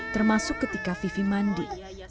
termasuk ketika vivi mandi